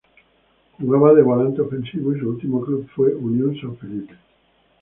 Jugaba de volante ofensivo y su último club fue Unión San Felipe.